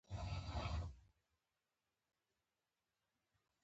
ژورې سرچینې د افغانستان د جغرافیوي تنوع یو څرګند او ښه مثال دی.